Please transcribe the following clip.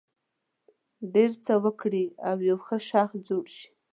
ډېر څه وکړي او یو ښه شخص جوړ شي.